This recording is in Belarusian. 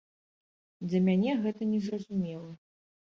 Для мяне гэта не зразумела.